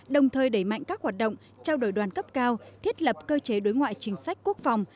đồng thời đẩy mạnh các hoạt động trao đổi đoàn cấp cao thiết lập cơ chế đối ngoại chính sách quốc phòng